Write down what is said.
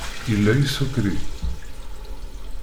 Yella isukṛi.